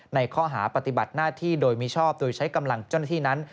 ในข้อหาปฏิบัติหน้าที่โดยมิชอบโดยใช้กำลังเจ้าหน้าที่นั้น